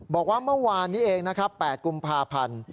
บอกว่าเมื่อวานนี้เอง๘กุมภาพันธุ์